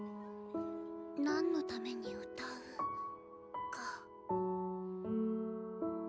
何のために歌うか。